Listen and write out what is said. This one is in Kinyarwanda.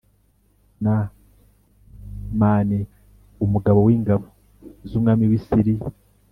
N mani umugaba w ingabo z umwami w i Siriya